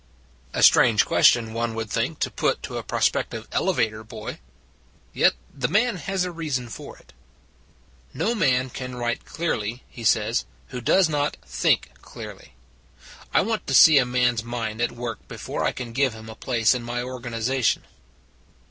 " A strange question, one would think, to put to a prospective elevator boy. Yet the man has a reason for it. " No man can write clearly," he says, " who does not think clearly. I want to see a man s mind at work before I give him a place in my organization."